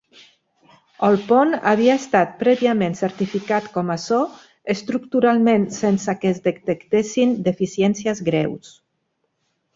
El pont havia estat prèviament certificat com a so estructuralment sense que es detectessin deficiències greus.